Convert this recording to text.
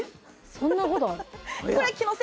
そんなことある？